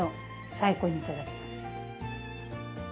最高にいただけます。